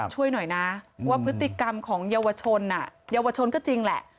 ช่วยหน่อยนะว่าพฤติกรรมของเยาวชนเยาวชนก็จริงแหละ